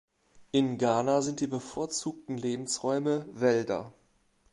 In Ghana sind die bevorzugten Lebensräume Wälder.